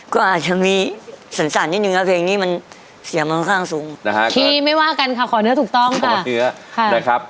คีย์ไม่ว่ากันค่ะขอเนื้อถูกต้องค่ะ